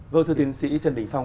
vâng thưa tiến sĩ trần đình phong